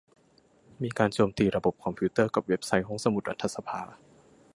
มีการโจมตีระบบคอมพิวเตอร์กับเว็บไซต์ห้องสมุดรัฐสภา